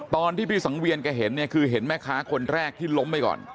ตอนที่พี่สังเวียนแกเห็นเนี่ยคือเห็นแม่ค้าคนแรกที่ล้มไปก่อน